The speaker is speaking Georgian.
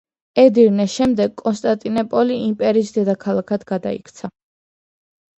ედირნეს შემდეგ, კონსტანტინეპოლი იმპერიის დედაქალაქად გადაიქცა.